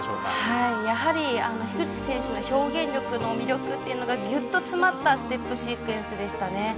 やはり樋口選手の表現力の魅力というのがぎゅっと詰まったステップシークエンスでした。